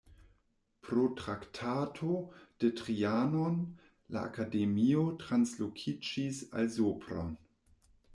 Pro Traktato de Trianon la akademio translokiĝis al Sopron.